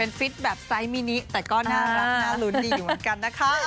ฟิตแบบไซส์มินิแต่ก็น่ารักน่ารุ้นดีอยู่เหมือนกันนะคะ